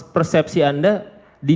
persepsi anda di